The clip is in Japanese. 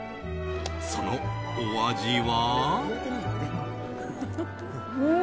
そのお味は。